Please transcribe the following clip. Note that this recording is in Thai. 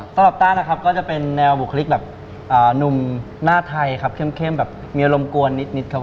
ต้อต้าคือมาบุคลิกหนุ่มนาธัยแบบแข็งเดินมีอารมณ์กวนนิด